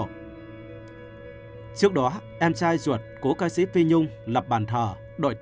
trước đó em trai ruột của ca sĩ phi nhung lập bàn thờ đội